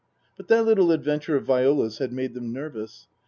But that little adventure of Viola's had made them nervous.